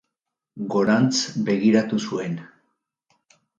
Gorantz begiratu zuen.